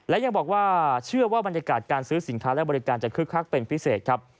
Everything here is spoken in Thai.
และยังบอกว่าเชื่อว่าบรรยากาศการซื้อสินค้าและบริการจะคึกคักเป็นพิเศษครับ